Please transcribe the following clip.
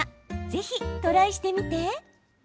ぜひトライしてみて。